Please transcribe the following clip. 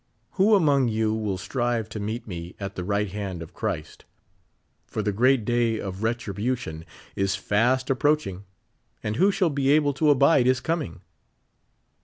Who among you will strive to meet me at the right hand of Christ ? For the great day of retribution is fast approaching, and who shall be able to abide his coming